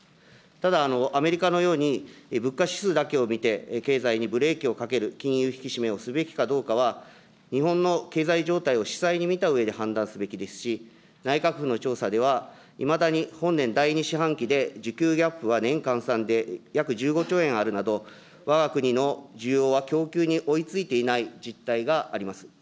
ただアメリカのように、物価指数だけを見て、経済にブレーキをかける金融引き締めをすべきかどうかは、日本の経済状態を子細に見たうえで判断すべきですし、内閣府の調査ではいまだに本年第２四半期で需給ギャップは年換算で約１５兆円あるなど、わが国の需要は供給に追いついていない実態があります。